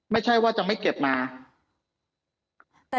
ไม่ใช่ว่าจะไม่เก็บมา